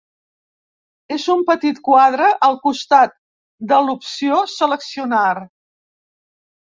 És un petit quadre al costat de l'opció a seleccionar.